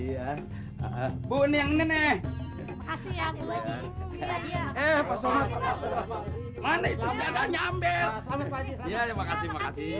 iya bu yang nih makasih ya eh pasal mana itu ada nyambit ya makasih makasih ya